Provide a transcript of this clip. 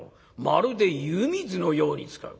まるで湯水のように使う。